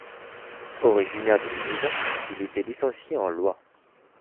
Originaire du Limousin, il était licencié en loi.